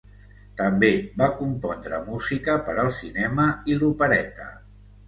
També va compondre música per al cinema i l'opereta.